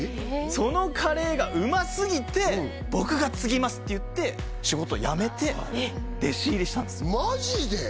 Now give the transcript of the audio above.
そのカレーがうますぎて「僕が継ぎます」って言って仕事辞めて弟子入りしたんですマジで？